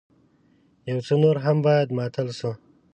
يو څه نور هم بايد ماتل شو.